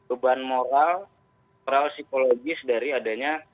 beban moral moral psikologis dari adanya